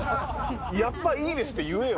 やっぱいいですって言えよ。